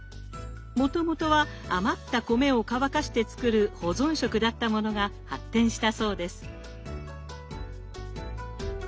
もともとは余った米を乾かして作る保存食だったものが発展したそうです。